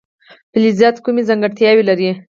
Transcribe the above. فلزات کومې ځانګړتیاوې لري.